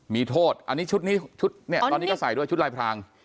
มีโทษอันนี้ชุดนี้ชุดเนี่ยตอนนี้ก็ใส่ด้วยชุดลายพราง